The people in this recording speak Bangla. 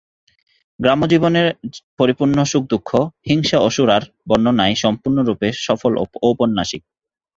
গ্রাম্য জীবনে পরিপূর্ণ সুখ-দুঃখ, হিংসা-অসূয়ার বর্ণনায় সম্পূর্ণরূপে সফল ঔপন্যাসিক।